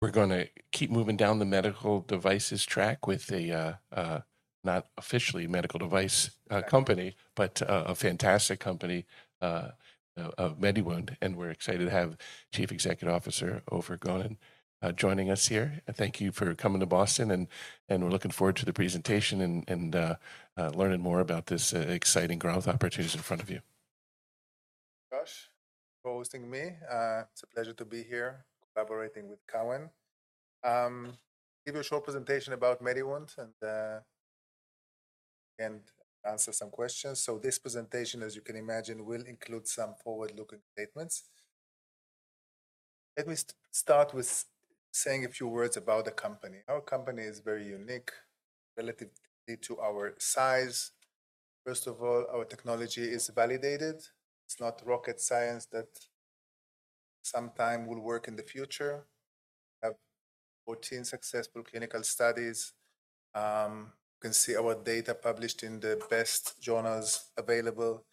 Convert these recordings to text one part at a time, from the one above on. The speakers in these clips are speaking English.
We're going to keep moving down the medical devices track with a, not officially a medical device, company, but, a fantastic company, MediWound. We're excited to have Chief Executive Officer Ofer Gonen joining us here. Thank you for coming to Boston. We're looking forward to the presentation and learning more about this, exciting growth opportunities in front of you. Josh, Boaz Gur-Lavie, it's a pleasure to be here collaborating with Cowen. I will give you a short presentation about MediWound and answer some questions. This presentation, as you can imagine, will include some forward-looking statements. Let me start with saying a few words about the company. Our company is very unique relative to our size. First of all, our technology is validated. It's not rocket science that sometime will work in the future. We have 14 successful clinical studies. You can see our data published in the best journals available.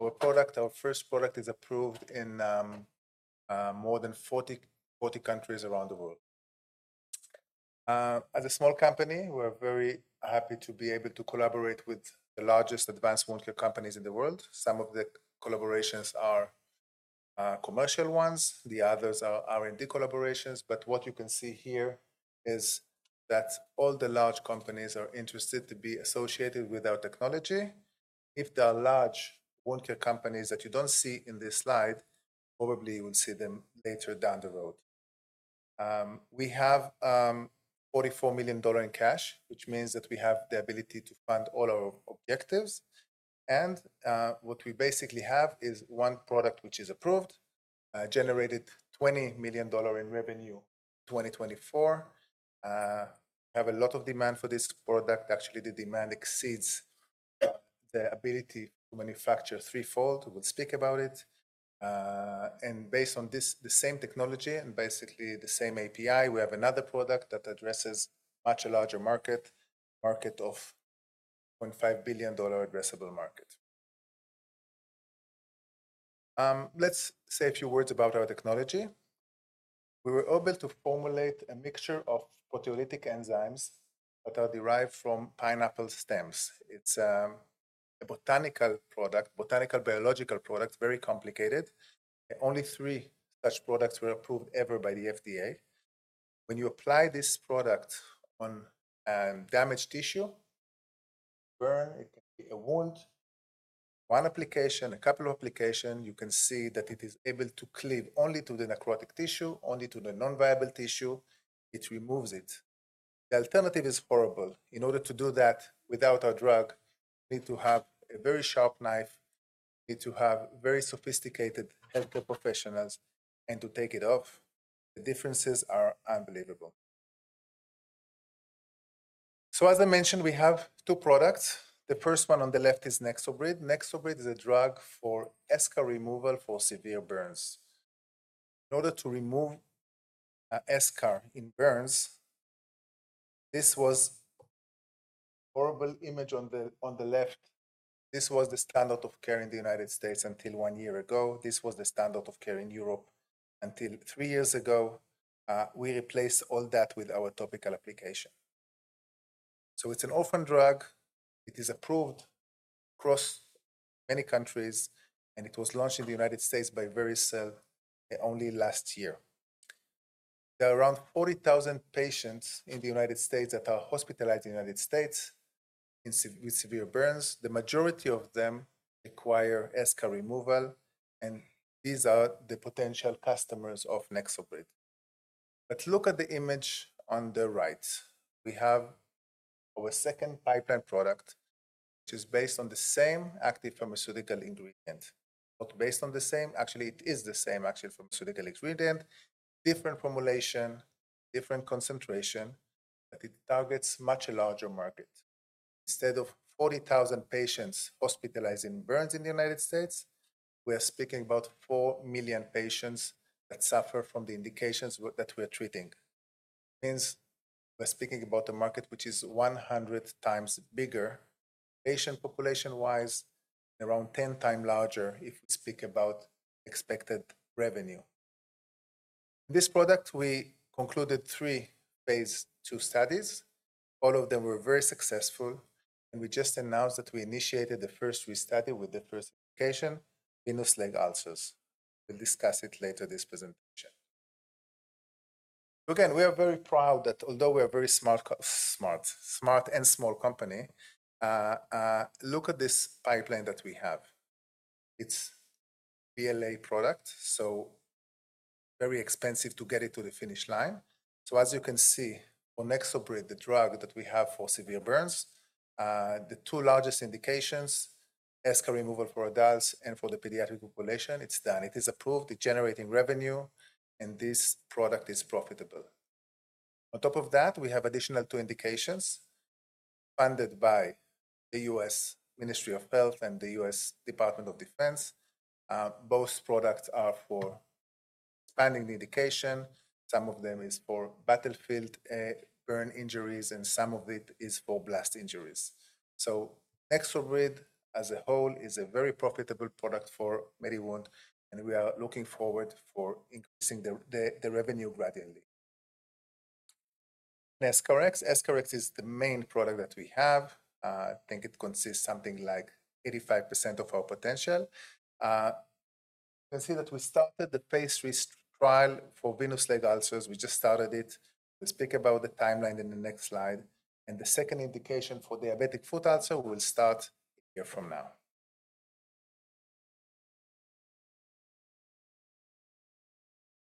Our product, our first product, is approved in more than 40 countries around the world. As a small company, we're very happy to be able to collaborate with the largest advanced wound care companies in the world. Some of the collaborations are commercial ones. The others are R&D collaborations. What you can see here is that all the large companies are interested to be associated with our technology. If there are large wound care companies that you do not see in this slide, probably you will see them later down the road. We have $44 million in cash, which means that we have the ability to fund all our objectives. What we basically have is one product which is approved, generated $20 million in revenue in 2024. We have a lot of demand for this product. Actually, the demand exceeds the ability to manufacture threefold. We will speak about it. Based on this, the same technology and basically the same API, we have another product that addresses a much larger market, market of $1.5 billion addressable market. Let's say a few words about our technology. We were able to formulate a mixture of proteolytic enzymes that are derived from pineapple stems. It's a botanical product, botanical biological product, very complicated. Only three such products were approved ever by the FDA. When you apply this product on damaged tissue, burn, it can be a wound, one application, a couple of applications, you can see that it is able to cleave only to the necrotic tissue, only to the non-viable tissue. It removes it. The alternative is horrible. In order to do that without our drug, we need to have a very sharp knife. We need to have very sophisticated healthcare professionals and to take it off. The differences are unbelievable. As I mentioned, we have two products. The first one on the left is Nexobrid. Nexobrid is a drug for eschar removal for severe burns. In order to remove eschar in burns, this was a horrible image on the left. This was the standard of care in the United States until one year ago. This was the standard of care in Europe until three years ago. We replaced all that with our topical application. It is an orphan drug. It is approved across many countries, and it was launched in the United States by Vericel only last year. There are around 40,000 patients in the United States that are hospitalized in the United States with severe burns. The majority of them require eschar removal, and these are the potential customers of Nexobrid. Look at the image on the right. We have our second pipeline product, which is based on the same active pharmaceutical ingredient. Not based on the same, actually, it is the same active pharmaceutical ingredient. Different formulation, different concentration, but it targets much larger market. Instead of 40,000 patients hospitalized in burns in the United States, we are speaking about 4 million patients that suffer from the indications that we are treating. Means we're speaking about a market which is 100 times bigger, patient population-wise, around 10 times larger if we speak about expected revenue. This product, we concluded three phase II studies. All of them were very successful, and we just announced that we initiated the first restudy with the first application, venous leg ulcers. We'll discuss it later in this presentation. Again, we are very proud that although we are a very smart and small company, look at this pipeline that we have. It's a BLA product, so very expensive to get it to the finish line. As you can see, for Nexobrid, the drug that we have for severe burns, the two largest indications, eschar removal for adults and for the pediatric population, it's done. It is approved. It's generating revenue, and this product is profitable. On top of that, we have additional two indications funded by the U.S. Department of Health and the U.S. Department of Defense. Both products are for expanding the indication. Some of them are for battlefield burn injuries, and some of it is for blast injuries. Nexobrid as a whole is a very profitable product for MediWound, and we are looking forward to increasing the revenue gradually. EscharEx. EscharEx is the main product that we have. I think it consists of something like 85% of our potential. You can see that we started the phase three trial for venous leg ulcers. We just started it. We'll speak about the timeline in the next slide. The second indication for diabetic foot ulcer, we'll start a year from now.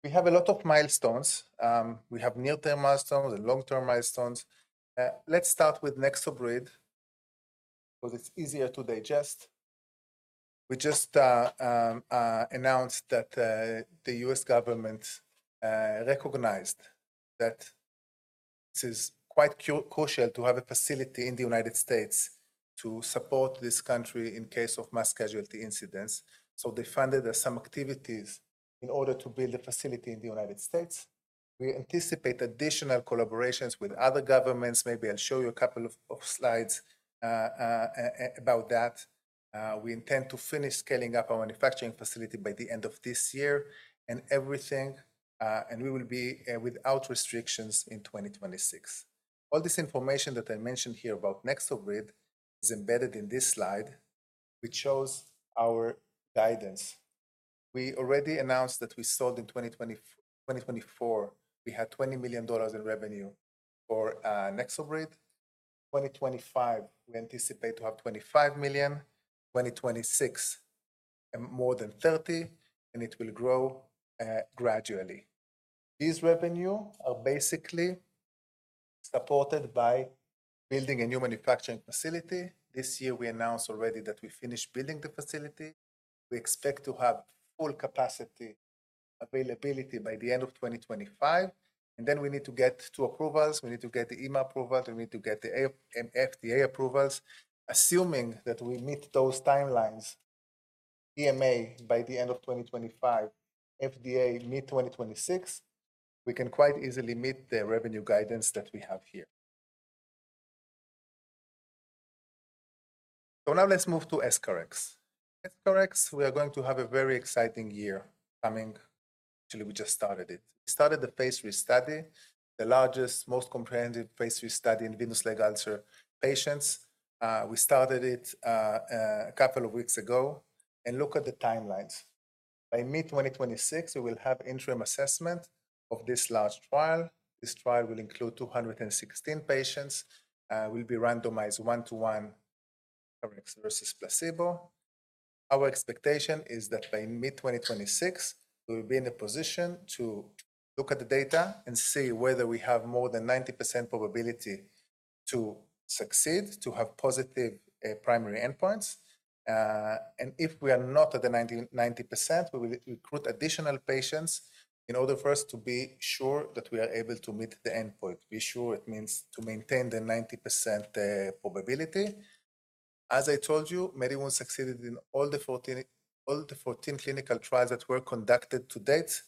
We have a lot of milestones. We have near-term milestones and long-term milestones. Let's start with Nexobrid because it's easier to digest. We just announced that the U.S. government recognized that it is quite crucial to have a facility in the United States to support this country in case of mass casualty incidents. They funded some activities in order to build a facility in the United States. We anticipate additional collaborations with other governments. Maybe I'll show you a couple of slides about that. We intend to finish scaling up our manufacturing facility by the end of this year and everything, and we will be without restrictions in 2026. All this information that I mentioned here about Nexobrid is embedded in this slide, which shows our guidance. We already announced that we sold in 2024, we had $20 million in revenue for Nexobrid. In 2025, we anticipate to have $25 million. In 2026, more than $30 million, and it will grow, gradually. These revenues are basically supported by building a new manufacturing facility. This year, we announced already that we finished building the facility. We expect to have full capacity availability by the end of 2025. We need to get two approvals. We need to get the EMA approvals. We need to get the FDA approvals. Assuming that we meet those timelines, EMA by the end of 2025, FDA mid-2026, we can quite easily meet the revenue guidance that we have here. Now let's move to EscharEx. EscharEx, we are going to have a very exciting year coming. Actually, we just started it. We started the phase three study, the largest, most comprehensive phase three study in venous leg ulcer patients. We started it a couple of weeks ago. Look at the timelines. By mid-2026, we will have interim assessment of this large trial. This trial will include 216 patients. We'll be randomized one-to-one EscharEx versus placebo. Our expectation is that by mid-2026, we'll be in a position to look at the data and see whether we have more than 90% probability to succeed, to have positive primary endpoints. If we are not at the 90%, we will recruit additional patients in order for us to be sure that we are able to meet the endpoint. Be sure it means to maintain the 90% probability. As I told you, MediWound succeeded in all the 14, all the 14 clinical trials that were conducted to date.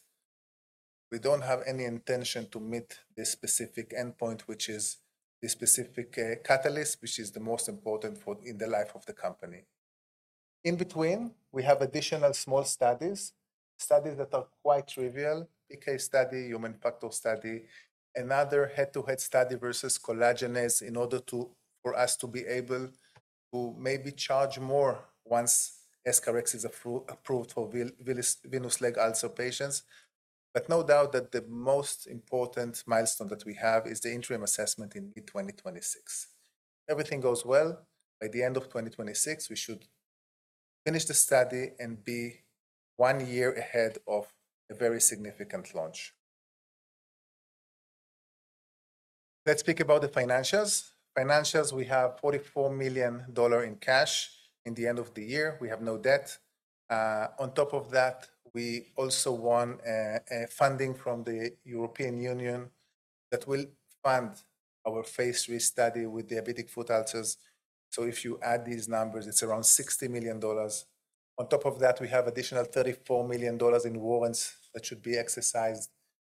We do not have any intention to meet the specific endpoint, which is the specific catalyst, which is the most important for in the life of the company. In between, we have additional small studies, studies that are quite trivial, PK study, human factor study, another head-to-head study versus collagenase in order for us to be able to maybe charge more once EscharEx is approved for venous leg ulcer patients. No doubt that the most important milestone that we have is the interim assessment in mid-2026. If everything goes well, by the end of 2026, we should finish the study and be one year ahead of a very significant launch. Let's speak about the financials. Financials, we have $44 million in cash in the end of the year. We have no debt. On top of that, we also won funding from the European Union that will fund our phase three study with diabetic foot ulcers. If you add these numbers, it's around $60 million. On top of that, we have additional $34 million in warrants that should be exercised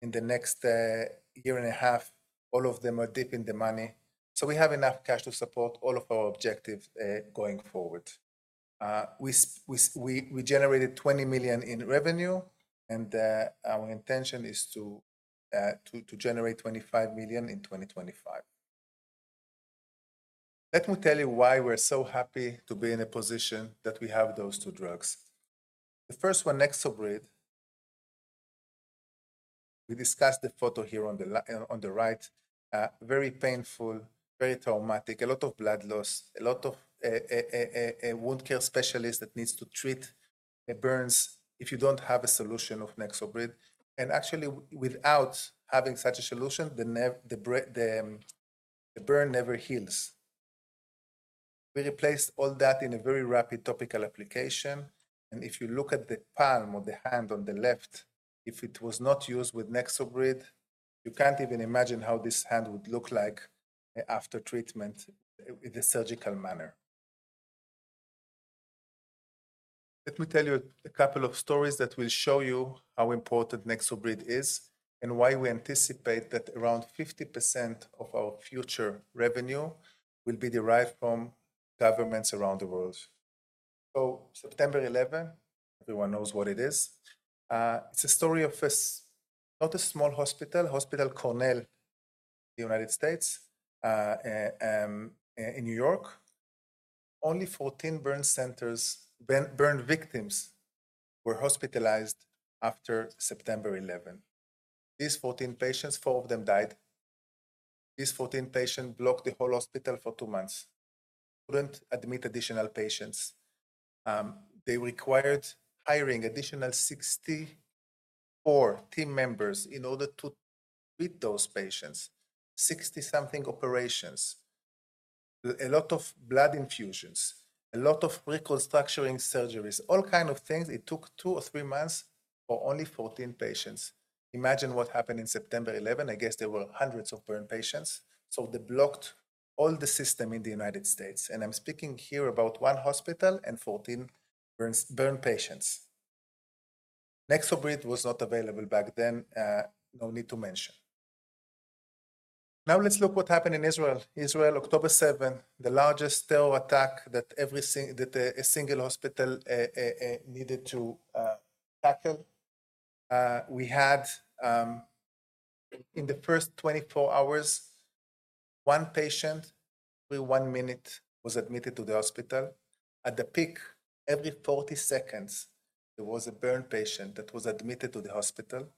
in the next year and a half. All of them are dipping the money. We have enough cash to support all of our objectives going forward. We generated $20 million in revenue, and our intention is to generate $25 million in 2025. Let me tell you why we're so happy to be in a position that we have those two drugs. The first one, Nexobrid, we discussed the photo here on the right, very painful, very traumatic, a lot of blood loss, a lot of wound care specialists that need to treat the burns if you don't have a solution of Nexobrid. Actually, without having such a solution, the burn never heals. We replaced all that in a very rapid topical application. If you look at the palm of the hand on the left, if it was not used with Nexobrid, you can't even imagine how this hand would look like after treatment in the surgical manner. Let me tell you a couple of stories that will show you how important Nexobrid is and why we anticipate that around 50% of our future revenue will be derived from governments around the world. September 11, everyone knows what it is. It's a story of a, not a small hospital, Hospital Cornell, the United States, in New York. Only 14 burn centers, burn victims were hospitalized after September 11. These 14 patients, four of them died. These 14 patients blocked the whole hospital for two months. Couldn't admit additional patients. They required hiring additional 64 team members in order to treat those patients. 60-something operations, a lot of blood infusions, a lot of reconstructing surgeries, all kinds of things. It took two or three months for only 14 patients. Imagine what happened in September 11. I guess there were hundreds of burn patients. They blocked all the system in the United States. I'm speaking here about one hospital and 14 burn patients. Nexobrid was not available back then. No need to mention. Now let's look at what happened in Israel. Israel, October 7, the largest terror attack that every single hospital needed to tackle. We had, in the first 24 hours, one patient every one minute was admitted to the hospital. At the peak, every 40 seconds, there was a burn patient that was admitted to the hospital.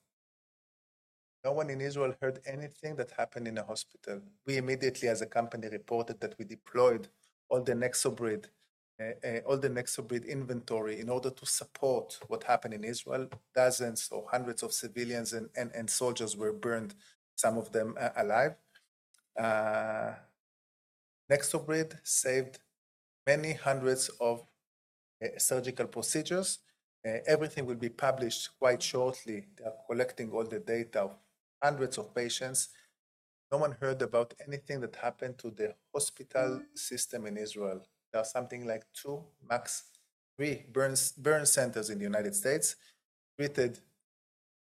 No one in Israel heard anything that happened in a hospital. We immediately, as a company, reported that we deployed all the Nexobrid, all the Nexobrid inventory in order to support what happened in Israel. Dozens or hundreds of civilians and soldiers were burned, some of them alive. Nexobrid saved many hundreds of surgical procedures. Everything will be published quite shortly. They are collecting all the data of hundreds of patients. No one heard about anything that happened to the hospital system in Israel. There are something like two, max three burn centers in the United States treated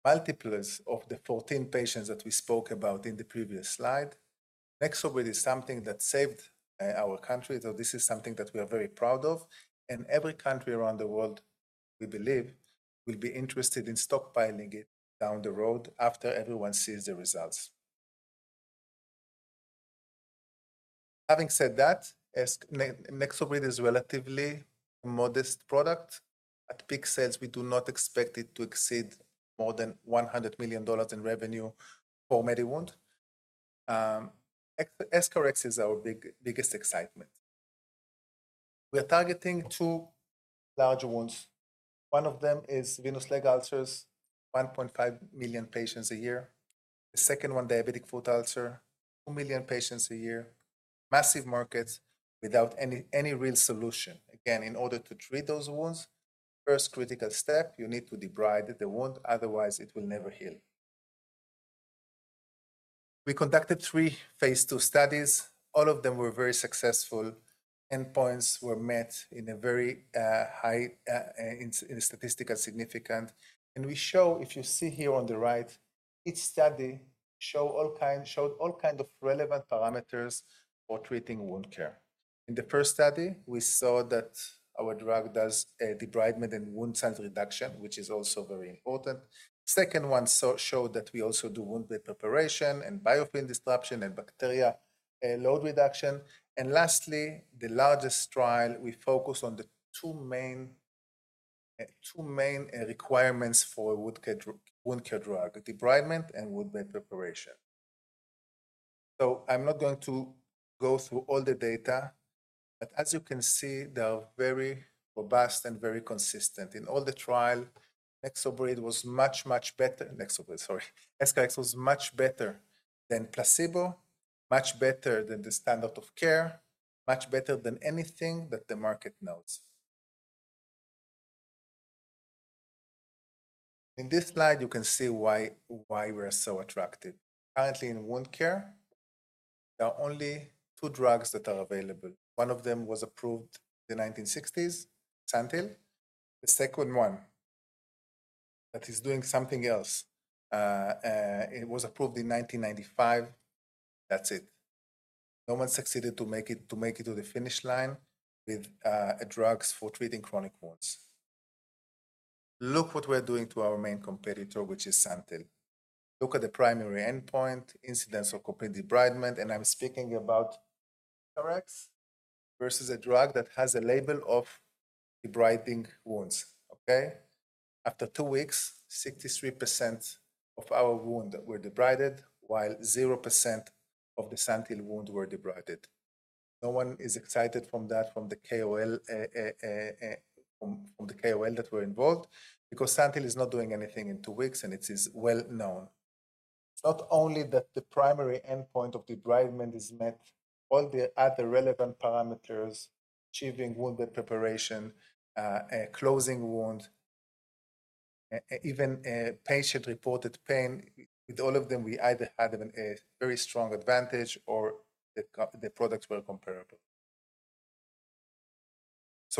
multiples of the 14 patients that we spoke about in the previous slide. Nexobrid is something that saved our country. This is something that we are very proud of. Every country around the world, we believe, will be interested in stockpiling it down the road after everyone sees the results. Having said that, Nexobrid is a relatively modest product. At peak sales, we do not expect it to exceed more than $100 million in revenue for MediWound. EscharEx is our biggest excitement. We are targeting two large wounds. One of them is venous leg ulcers, 1.5 million patients a year. The second one, diabetic foot ulcer, 2 million patients a year. Massive markets without any, any real solution. Again, in order to treat those wounds, first critical step, you need to debride the wound. Otherwise, it will never heal. We conducted three phase II studies. All of them were very successful. Endpoints were met in a very high, in statistical significance. We show, if you see here on the right, each study showed all kinds of relevant parameters for treating wound care. In the first study, we saw that our drug does debridement and wound size reduction, which is also very important. The second one showed that we also do wound bed preparation and biofilm disruption and bacteria load reduction. Lastly, the largest trial, we focus on the two main, two main requirements for a wound care drug, debridement and wound bed preparation. I'm not going to go through all the data, but as you can see, they are very robust and very consistent. In all the trials, Nexobrid was much, much better. Nexobrid, sorry. EscharEx was much better than placebo, much better than the standard of care, much better than anything that the market knows. In this slide, you can see why, why we're so attractive. Currently in wound care, there are only two drugs that are available. One of them was approved in the 1960s, Santyl. The second one that is doing something else, it was approved in 1995. That's it. No one succeeded to make it, to make it to the finish line with, drugs for treating chronic wounds. Look what we're doing to our main competitor, which is Santyl. Look at the primary endpoint, incidents of complete debridement. And I'm speaking about EscharEx versus a drug that has a label of debriding wounds. Okay. After two weeks, 63% of our wounds were debrided, while 0% of the Santyl wounds were debrided. No one is excited from that, from the KOL, from the KOL that were involved, because Santyl is not doing anything in two weeks, and it is well known. Not only that, the primary endpoint of debridement is met, all the other relevant parameters, achieving wound bed preparation, closing wounds, even, patient reported pain. With all of them, we either had a very strong advantage or the products were comparable.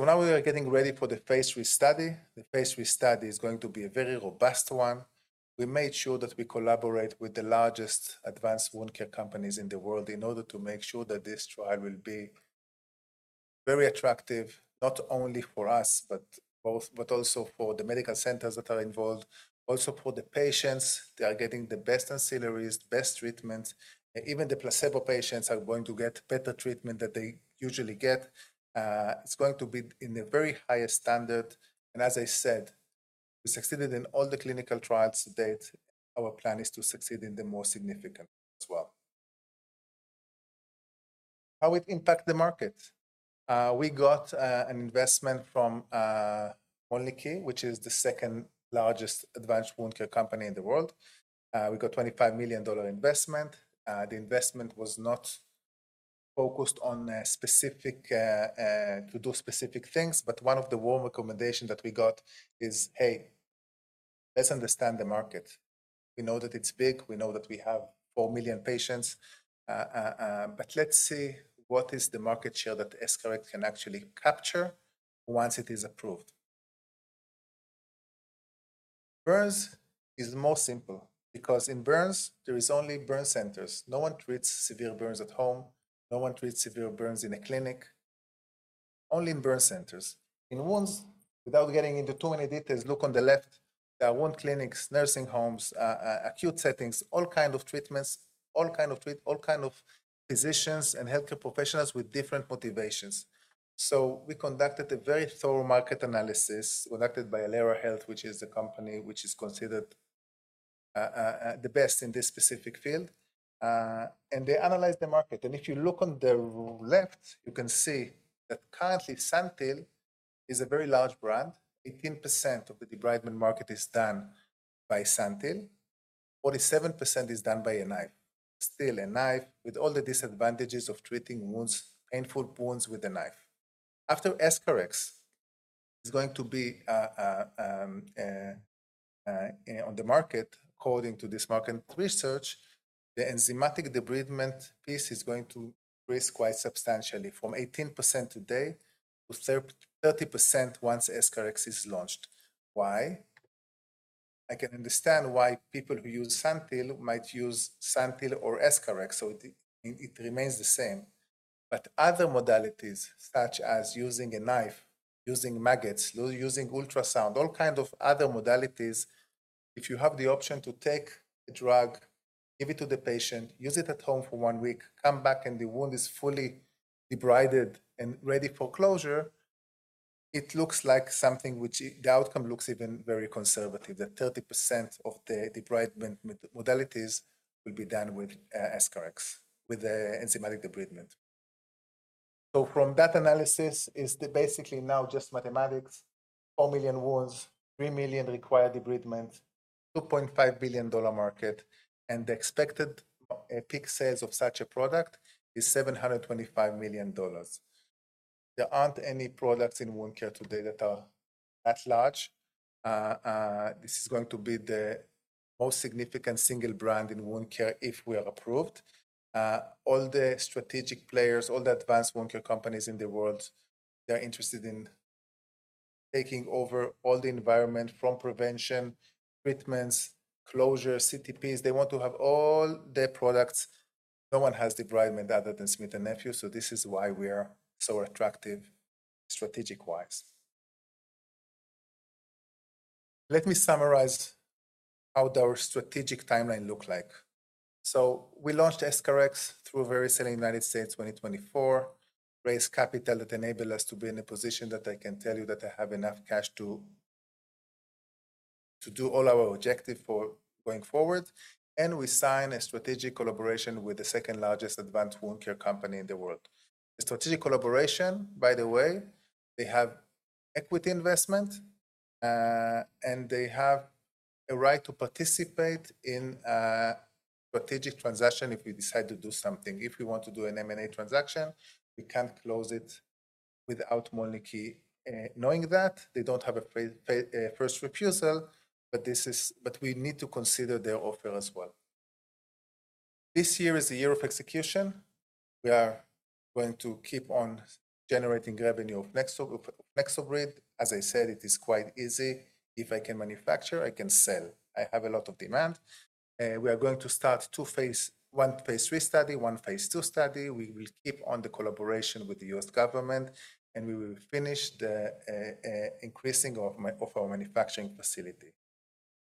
Now we are getting ready for the phase three study. The phase three study is going to be a very robust one. We made sure that we collaborate with the largest advanced wound care companies in the world in order to make sure that this trial will be very attractive, not only for us, but both, but also for the medical centers that are involved, also for the patients. They are getting the best ancillaries, best treatments. Even the placebo patients are going to get better treatment than they usually get. It's going to be in the very highest standard. As I said, we succeeded in all the clinical trials to date. Our plan is to succeed in the most significant as well. How it impacts the market. We got an investment from Molnlycke, which is the second largest advanced wound care company in the world. We got a $25 million investment. The investment was not focused on specific, to do specific things, but one of the warm recommendations that we got is, hey, let's understand the market. We know that it's big. We know that we have 4 million patients. Let's see what is the market share that EscharEx can actually capture once it is approved. Burns is the most simple because in burns, there are only burn centers. No one treats severe burns at home. No one treats severe burns in a clinic. Only in burn centers. In wounds, without getting into too many details, look on the left. There are wound clinics, nursing homes, acute settings, all kinds of treatments, all kinds of treatment, all kinds of physicians and healthcare professionals with different motivations. We conducted a very thorough market analysis conducted by Alera Health, which is a company which is considered the best in this specific field. They analyzed the market. If you look on the left, you can see that currently Santyl is a very large brand. 18% of the debridement market is done by Santyl. 47% is done by a knife. Still, a knife with all the disadvantages of treating wounds, painful wounds with a knife. After EscharEx, it's going to be on the market. According to this market research, the enzymatic debridement piece is going to increase quite substantially from 18% today to 30% once EscharEx is launched. Why? I can understand why people who use Santyl might use Santyl or EscharEx. It remains the same. Other modalities, such as using a knife, using maggots, using ultrasound, all kinds of other modalities, if you have the option to take a drug, give it to the patient, use it at home for one week, come back, and the wound is fully debrided and ready for closure, it looks like something which the outcome looks even very conservative, that 30% of the debridement modalities will be done with EscharEx, with the enzymatic debridement. From that analysis, it's basically now just mathematics. Four million wounds, three million required debridement, $2.5 billion market, and the expected peak sales of such a product is $725 million. There aren't any products in wound care today that are that large. This is going to be the most significant single brand in wound care if we are approved. All the strategic players, all the advanced wound care companies in the world, they're interested in taking over all the environment from prevention, treatments, closure, CTPs. They want to have all their products. No one has debridement other than Smith & Nephew. This is why we are so attractive strategic-wise. Let me summarize how our strategic timeline looks like. We launched EscharEx through various sales in the United States in 2024, raised capital that enabled us to be in a position that I can tell you that I have enough cash to do all our objectives for going forward. We signed a strategic collaboration with the second largest advanced wound care company in the world. The strategic collaboration, by the way, they have equity investment, and they have a right to participate in a strategic transaction if we decide to do something. If we want to do an M&A transaction, we can't close it without Molnlycke. Knowing that, they don't have a first refusal, but this is, but we need to consider their offer as well. This year is the year of execution. We are going to keep on generating revenue of Nexobrid. As I said, it is quite easy. If I can manufacture, I can sell. I have a lot of demand. We are going to start two phase, one phase three study, one phase two study. We will keep on the collaboration with the U.S. government, and we will finish the, increasing of my of our manufacturing facility.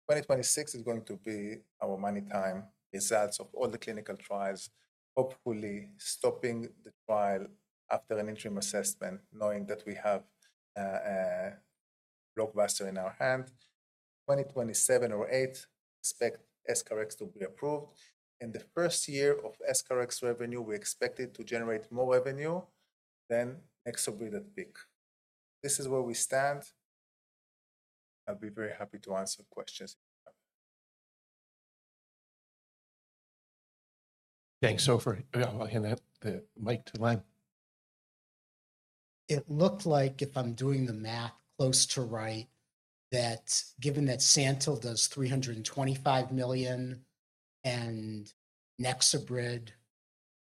2026 is going to be our money time results of all the clinical trials, hopefully stopping the trial after an interim assessment, knowing that we have, Blockbuster in our hand. 2027 or 2028, expect EscharEx to be approved. In the first year of EscharEx revenue, we expected to generate more revenue than Nexobrid at peak. This is where we stand. I'll be very happy to answer questions if you have. Thanks, Ofer. I'll hand that the mic to Lam. It looked like, if I'm doing the math close to right, that given that Santyl does $325 million and Nexobrid,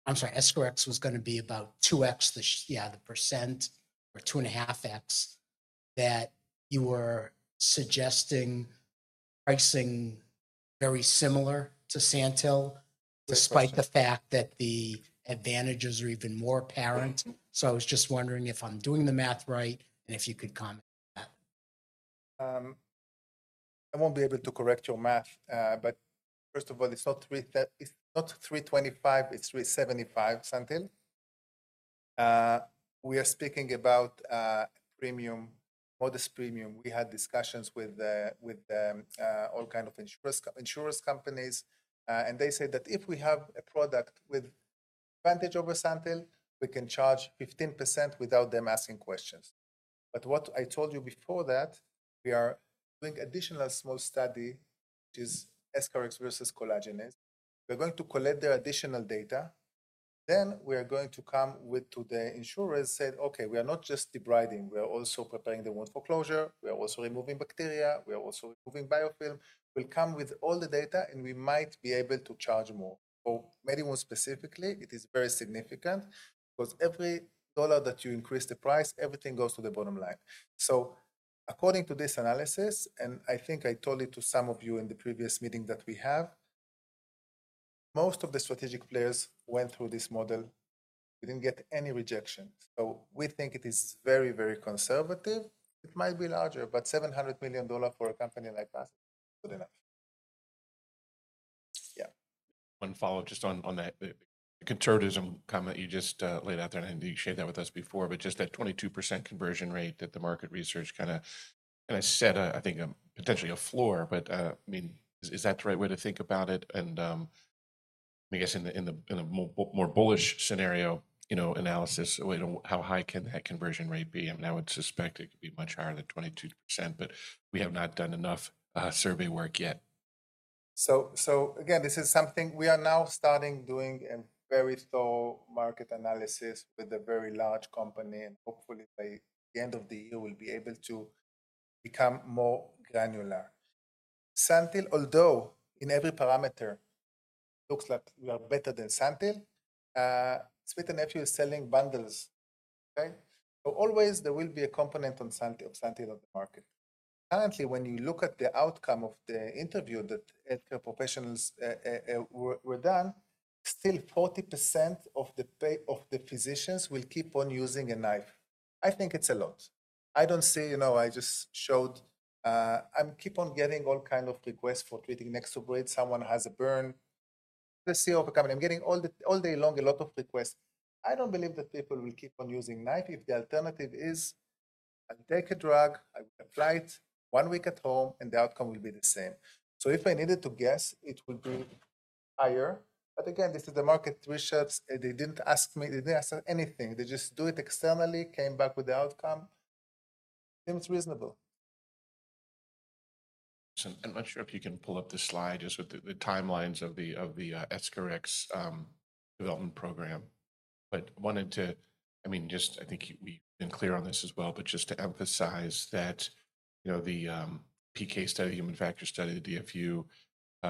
I'm sorry, EscharEx was going to be about 2x the, yeah, the percent or 2.5x that you were suggesting pricing very similar to Santyl, despite the fact that the advantages are even more apparent. I was just wondering if I'm doing the math right and if you could comment on that. I won't be able to correct your math, but first of all, it's not 325, it's 375, Santyl. We are speaking about a premium, modest premium. We had discussions with, with all kinds of insurance companies, and they said that if we have a product with advantage over Santyl, we can charge 15% without them asking questions. What I told you before is that we are doing additional small study, which is EscharEx versus collagenase. We're going to collect their additional data. Then we are going to come to the insurers, say, okay, we are not just debriding, we are also preparing the wound for closure, we are also removing bacteria, we are also removing biofilm. We'll come with all the data and we might be able to charge more. For MediWound specifically, it is very significant because every dollar that you increase the price, everything goes to the bottom line. According to this analysis, and I think I told it to some of you in the previous meeting that we have, most of the strategic players went through this model. We did not get any rejection. We think it is very, very conservative. It might be larger, but $700 million for a company like us is good enough. Yeah. One follow-up just on that conservatism comment you just laid out there and you shared that with us before, just that 22% conversion rate that the market research kind of set, I think, potentially a floor. I mean, is that the right way to think about it? I guess in the, in a more bullish scenario, you know, analysis, you know, how high can that conversion rate be? I mean, I would suspect it could be much higher than 22%, but we have not done enough survey work yet. This is something we are now starting doing a very thorough market analysis with a very large company. Hopefully by the end of the year, we'll be able to become more granular. Santyl, although in every parameter looks like we are better than Santyl, Smith & Nephew is selling bundles. There will always be a component of Santyl on the market. Currently, when you look at the outcome of the interview that healthcare professionals were done, still 40% of the physicians will keep on using a knife. I think it's a lot. I don't see, you know, I just showed, I keep on getting all kinds of requests for treating Nexobrid. Someone has a burn. The COO of the company, I'm getting all day long, a lot of requests. I don't believe that people will keep on using a knife if the alternative is I'll take a drug, I will apply it one week at home, and the outcome will be the same. If I needed to guess, it would be higher. Again, this is the market research. They didn't ask me, they didn't ask anything. They just do it externally, came back with the outcome. Seems reasonable. I'm not sure if you can pull up the slide just with the timelines of the, of the EscharEx development program, but wanted to, I mean, just, I think we've been clear on this as well, but just to emphasize that, you know, the PK study, human factor study, the DFU,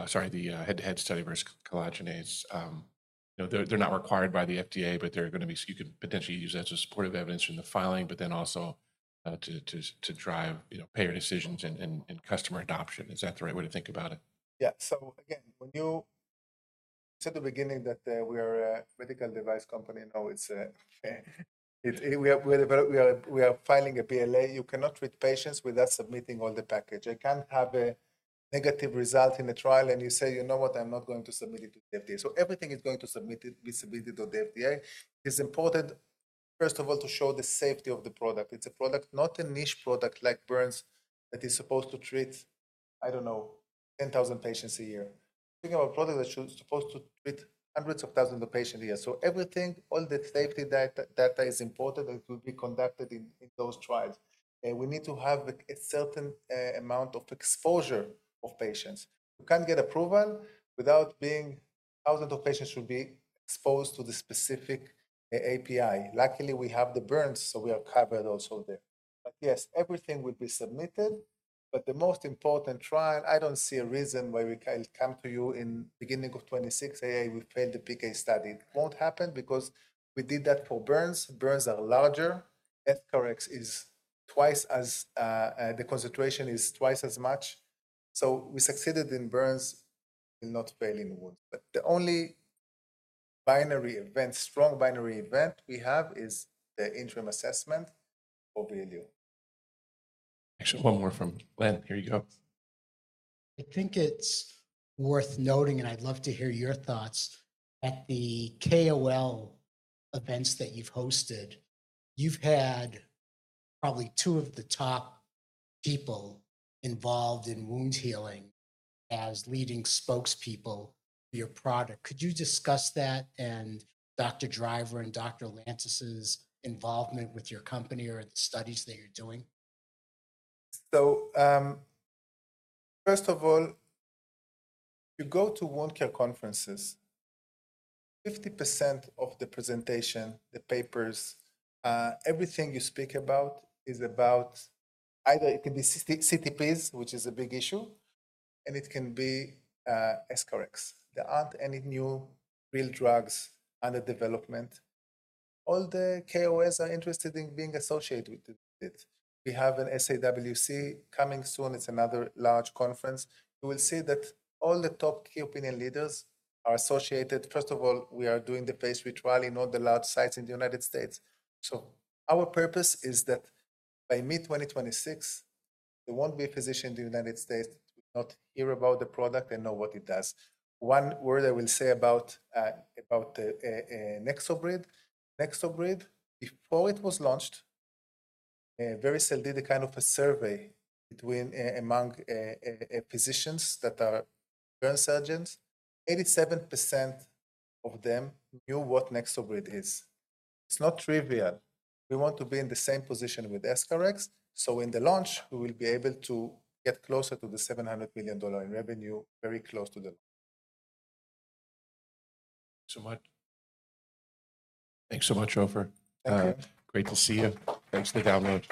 sorry, the head-to-head study versus collagenase, you know, they're not required by the FDA, but they're going to be, you can potentially use that as supportive evidence in the filing, but then also, to drive, you know, payer decisions and, and, and customer adoption. Is that the right way to think about it? Yeah. When you said at the beginning that we are a medical device company, no, it's a, it's we are, we are developing, we are, we are filing a BLA. You cannot treat patients without submitting all the package. I can't have a negative result in a trial and you say, you know what, I'm not going to submit it to the FDA. Everything is going to be submitted to the FDA. It's important, first of all, to show the safety of the product. It's a product, not a niche product like burns that is supposed to treat, I don't know, 10,000 patients a year. We're talking about a product that's supposed to treat hundreds of thousands of patients a year. Everything, all the safety data is important and it will be conducted in those trials. We need to have a certain amount of exposure of patients. You can't get approval without being thousands of patients should be exposed to the specific API. Luckily, we have the burns, so we are covered also there. Yes, everything will be submitted, but the most important trial, I don't see a reason why we can come to you in the beginning of 2026, hey, we failed the PK study. It won't happen because we did that for burns. Burns are larger. EscharEx is twice as, the concentration is twice as much. We succeeded in burns, will not fail in wounds. The only binary event, strong binary event we have is the interim assessment for VLU. Actually, one more from Len. Here you go. I think it's worth noting, and I'd love to hear your thoughts at the KOL events that you've hosted. You've had probably two of the top people involved in wound healing as leading spokespeople for your product. Could you discuss that and Dr. Driver and Dr. Lantis's involvement with your company or the studies that you're doing? First of all, you go to wound care conferences, 50% of the presentation, the papers, everything you speak about is about either it can be CTPs, which is a big issue, and it can be EscharEx. There aren't any new real drugs under development. All the KOAs are interested in being associated with it. We have an SAWC coming soon. It's another large conference. You will see that all the top key opinion leaders are associated. First of all, we are doing the phase three trial in all the large sites in the United States. Our purpose is that by mid-2026, there won't be a physician in the United States that will not hear about the product and know what it does. One word I will say about the Nexobrid. NexoBrid, before it was launched, very seldom did a kind of a survey between, among, physicians that are burn surgeons. 87% of them knew what NexoBrid is. It's not trivial. We want to be in the same position with EscharEx. In the launch, we will be able to get closer to the $700 million in revenue, very close to the launch. Thanks so much. Thanks so much, Ofer. Great to see you. Thanks for the download.